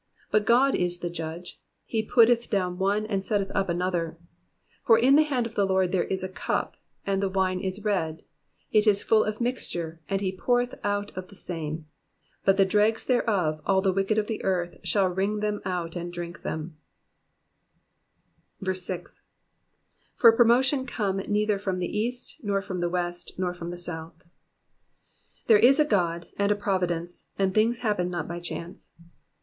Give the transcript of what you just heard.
7 But God is the judge : he putteth down one, and setteth up another. Digitized by VjOOQIC 392 EXPOSITIOKS OF THE PSALXS. 8 For in the hand of the Lord there is a cup, and the wine is red ; it is full of mixture ; and he poureth out of the same : but the dregs thereof, all the wicked of the earth shall wring them out, and drink them, 6. For promotion cometh neither from the easty nor from the toest^ nor from the south.'*'* There is a God, and a providence, and things happen not by chance.